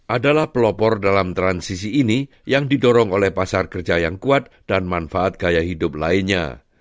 adalah pelopor dalam transisi ini yang didorong oleh pasar kerja yang kuat dan manfaat gaya hidup lainnya